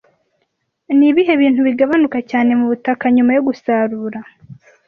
Ni ibihe bintu bigabanuka cyane mu butaka nyuma yo gusarura